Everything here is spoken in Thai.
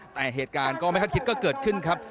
แต่เหตุการณ์ก็ไม่คาดคิดก็เกิดขึ้นครับ